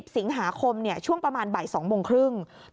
สิงหาคมช่วงประมาณบ่าย๒โมงครึ่ง